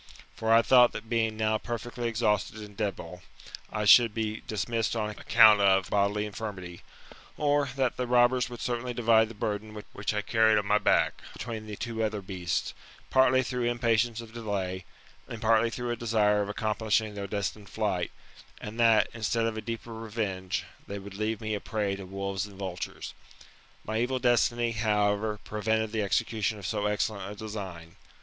For I thought that being now perfectly exhausted and debile, I should be dismissed on account of bodily infirmity : or, that the robbers would certainly divide the burden which I carried on my back, between the two other beasts, partly through impatience of delay, and partly through a desire of accomplishing their destined flight ; and that, instead of a deeper revenge, they would leave me a prey to wolves and vultures. My evil destiny, however, prevented the execution of so excellent a design.